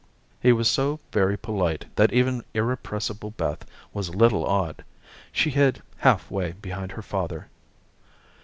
He was so very polite that even irrepressible Beth was a little awed. She hid halfway behind her father.